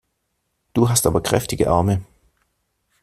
Du hast aber kräftige Arme!